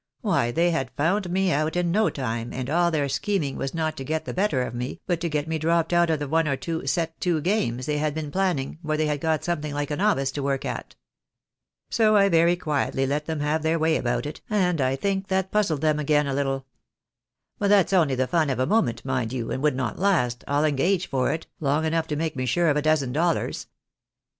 Why, they had found me out in no time, and all their scheming was not to get the better of me, but to get me dropped out of one or two set to games they had been planning, where they had got something like a novice to work at. So I very quietly let them have their way about it, and I think that puzzled them again a little. But that's only the fun of a moment, mind you, and would not last, I'll engage for it, long enough to make me sure of a dozen dollars.